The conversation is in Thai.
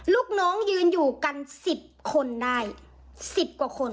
ลูกน้องยืนอยู่กัน๑๐คนได้๑๐กว่าคน